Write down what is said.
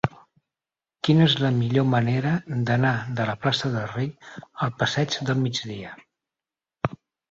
Quina és la millor manera d'anar de la plaça del Rei al passeig del Migdia?